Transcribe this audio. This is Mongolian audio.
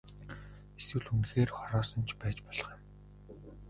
Эсвэл үнэхээр хороосон ч байж болох юм.